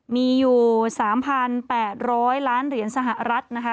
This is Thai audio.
มีอยู่๓๘๐๐ล้านเหรียญสหรัฐนะคะ